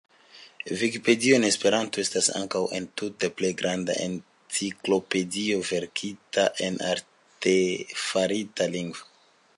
Vikipedio en Esperanto estas ankaŭ la entute plej granda enciklopedio verkita en artefarita lingvo.